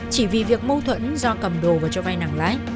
chỉ vì việc mâu thuẫn do cầm đồ và cho vai nặng lái